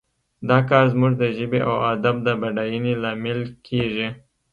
دا کار زموږ د ژبې او ادب د بډاینې لامل کیږي